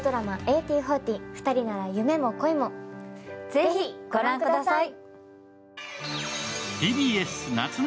ぜひご覧ください。